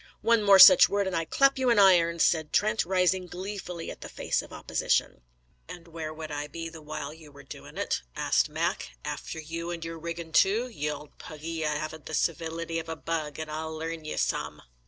"One more such word, and I clap you in irons!" said Trent, rising gleefully at the face of opposition. "And where would I be the while you were doin' ut?" asked Mac. "After you and your rigging, too! Ye ould puggy, ye haven't the civility of a bug, and I'll learn ye some."